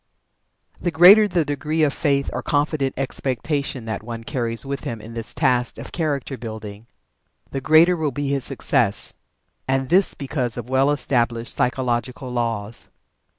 The greater the degree of faith or confident expectation that one carries with him in this task of character building, the greater will be his success. And this because of well established psychological laws.